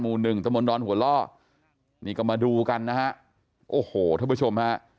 หนึ่งตะมนตอนหัวล่อนี่ก็มาดูกันนะฮะโอ้โหท่านผู้ชมฮะ